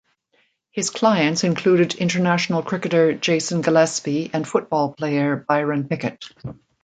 His clients included international cricketer Jason Gillespie and football player Byron Pickett.